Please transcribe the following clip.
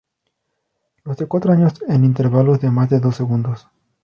Los de cuatro años, en intervalos de más de dos segundos.